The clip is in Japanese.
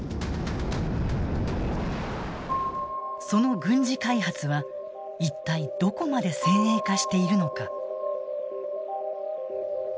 その軍事開発は一体どこまで先鋭化しているのか。